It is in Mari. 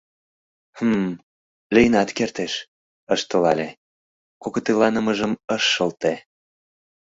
— Хм... лийынат кертеш, — ышталале, кокытеланымыжым ыш шылте.